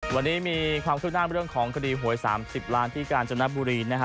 วันนี้มีความคืบหน้าเรื่องของคดีหวย๓๐ล้านที่กาญจนบุรีนะฮะ